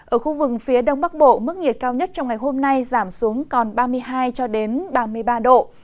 ở khu vực phía đông bắc bộ mức nhiệt cao nhất trong ngày hôm nay giảm xuống còn ba mươi hai ba mươi ba độ